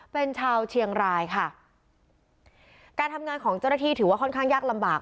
เป็นชาวเชียงรายค่ะการทำงานของเจ้าหน้าที่ถือว่าค่อนข้างยากลำบาก